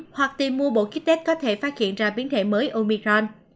hoặc tìm mua bộ kích tết có thể phát hiện ra biến thể mới omicron